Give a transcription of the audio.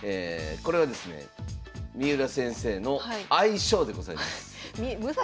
これはですね三浦先生の愛称でございます。